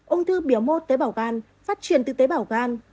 ung thư biểu mô tế bảo gan phát triển từ tế bảo gan